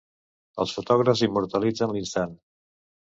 Els fotògrafs immortalitzen l'instant.